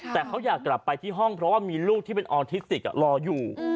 แต่เขาอยากกลับไปที่ห้องเพราะว่ามีลูกที่เป็นออทิสติกรออยู่